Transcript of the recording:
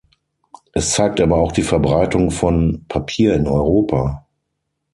Es zeigt aber auch die Verbreitung von Papier in Europa.